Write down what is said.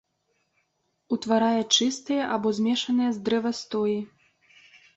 Утварае чыстыя або змешаныя з дрэвастоі.